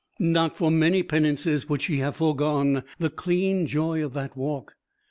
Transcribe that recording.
Not for many penances would she have foregone the clean joy of that walk.